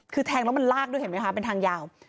คือแทงแล้วมันลากด้วยเห็นไหมคะเป็นทางยาว